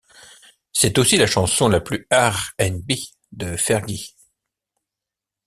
C'est aussi la chanson la plus RnB de Fergie.